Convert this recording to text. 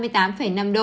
trên ba mươi tám năm độ